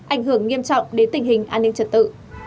ảnh hưởng nghiêm trọng đến tình hình an ninh trật tự